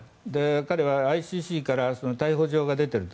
彼はＩＣＣから逮捕状が出ていると。